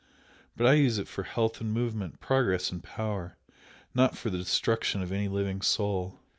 but I use it for health and movement, progress and power not for the destruction of any living soul!